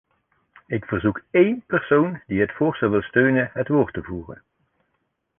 Ik verzoek één persoon die het voorstel wil steunen het woord te voeren.